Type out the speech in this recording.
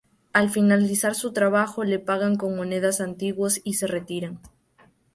Al finalizar su trabajo, le pagan con monedas antiguas y se retiran.